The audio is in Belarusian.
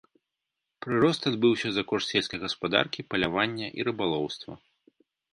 Прырост адбыўся за кошт сельскай гаспадаркі, палявання і рыбалоўства.